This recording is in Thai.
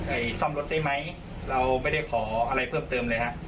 ซ่อมรถได้ไหมเราไม่ได้ขออะไรเพิ่มเติมเลยฮะ